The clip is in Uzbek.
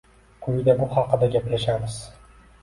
Quyida bu haqda gaplashamiz.